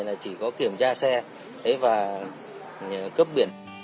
là chỉ có kiểm tra xe và cấp biển